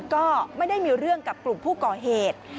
ก็ไม่ได้มีเรื่องกับกลุ่มผู้ก่อเหตุ